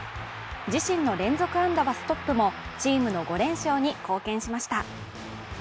自身の連続安打はストップもチームの５連勝に貢献しました。